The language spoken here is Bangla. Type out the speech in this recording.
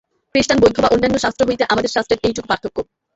খ্রীষ্টান, বৌদ্ধ বা অন্যান্য শাস্ত্র হইতে আমাদের শাস্ত্রের এইটুকু পার্থক্য।